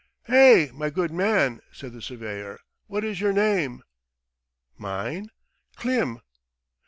"Hey, my good man!" said the surveyor, "What is your name?" "Mine? Klim."